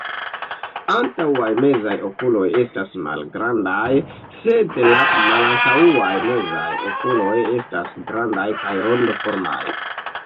Antaŭaj mezaj okuloj estas malgrandaj, sed la malantaŭaj mezaj okuloj estas grandaj kaj rondoformaj.